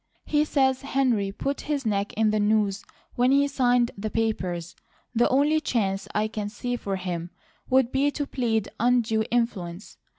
He says Henry put his neck in the noose when he signed the papers. The only chance I can see for him would be to plead undue influence.